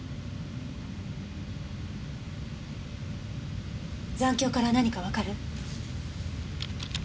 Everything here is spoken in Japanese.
残響から何かわかる？